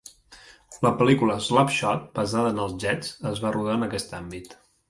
La pel·lícula "Slap Shot", basada en els Jets, es va rodar en aquest àmbit.